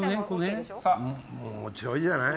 もうちょいじゃない？